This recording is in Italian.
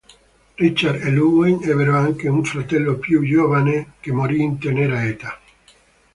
Richard e Ludwig ebbero anche un fratello più giovane che morì in tenera età.